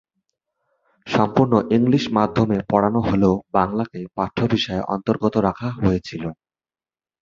সম্পূর্ণ ইংলিশ মাধ্যমে পড়ানো হলেও বাংলাকে পাঠ্য বিষয়ের অন্তর্গত রাখা হয়েছিল।